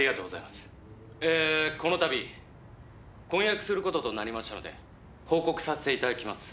「えーこのたび婚約する事となりましたので報告させていただきます。